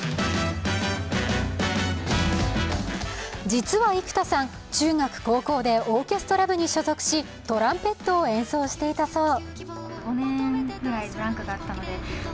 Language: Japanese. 実は幾田さん、中学・高校でオーケストラ部に所属し、トランペットを演奏していたそう。